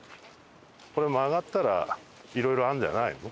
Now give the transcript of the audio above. これ、曲がったらいろいろあるんじゃないの？